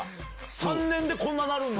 ３年でこんななるんだ？